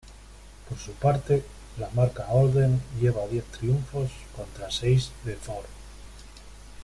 Por su parte, la marca Holden lleva diez triunfos contra seis de Ford.